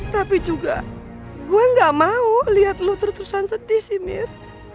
tapi juga gue gak mau lihat lu tertusan sedih sih mir